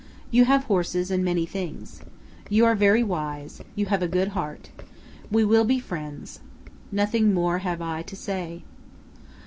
You have horses and many things. You are very wise; you have a good heart. We will be friends. Nothing more have I to say."